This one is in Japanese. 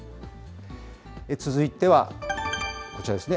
続いては、こちらですね。